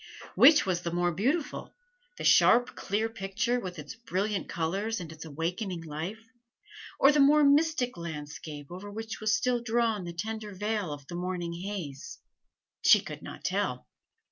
Which was the more beautiful the sharp, clear picture, with its brilliant colors and its awakening life, or the more mystic landscape over which was still drawn the tender veil of the morning haze? She could not tell.